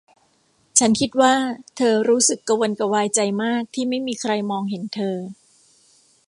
ฉันคิดว่าเธอรู้สึกกระวนกระวายใจมากที่ไม่มีใครมองเห็นเธอ